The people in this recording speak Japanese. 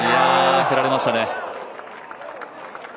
ふられましたね。